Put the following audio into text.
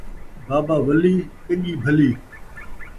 بابا ولی، کڄی بھلی